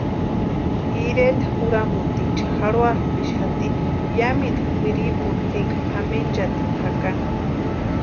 Iretaeri juramutiicha jarhuapʼexati yamintu kwʼirupuni énka pʼamenchatini jaka.